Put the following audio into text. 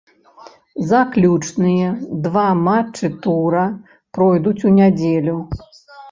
Заключныя два матчы тура пройдуць у нядзелю.